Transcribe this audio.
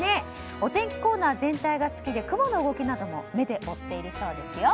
お天気コーナー全体が好きで雲の動きなども目で追っているそうですよ。